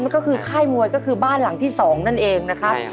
ก็คือค่ายมวยก็คือบ้านหลังที่๒นั่นเองนะครับ